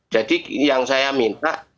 jadi yang saya minta